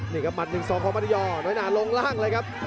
นี่พิมพิมพีของหน้านั้นครับ